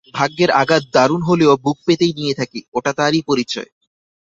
ভাগ্যের আঘাত দারুণ হলেও বুক পেতেই নিয়ে থাকি–ওটা তারই পরিচয়।